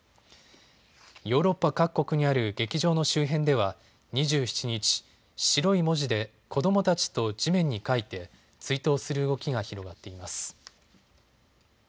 ヨーロッパ各国にある劇場の周辺では２７日、白い文字で子どもたちと地面に書いて追悼する動きが広がっています。